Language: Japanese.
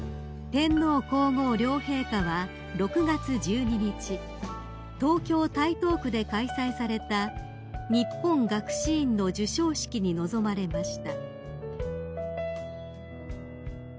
［天皇皇后両陛下は６月１２日東京台東区で開催された日本学士院の授賞式に臨まれました］